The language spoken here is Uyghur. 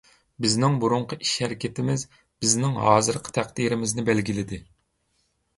بىزنىڭ بۇرۇنقى ئىش-ھەرىكىتىمىز بىزنىڭ ھازىرقى تەقدىرىمىزنى بەلگىلىدى.